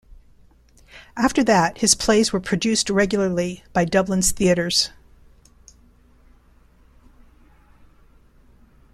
After that his plays were produced regularly by Dublin's theatres.